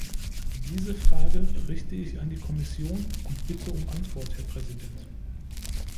Diese Frage richte ich an die Kommission und bitte um Antwort, Herr Präsident!